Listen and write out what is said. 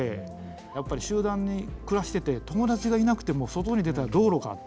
やっぱり集団に暮らしてて友達がいなくても外に出たら道路があって。